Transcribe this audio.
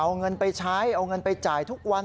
เอาเงินไปใช้เอาเงินไปจ่ายทุกวัน